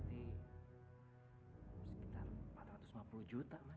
berarti sekitar empat ratus lima puluh juta mas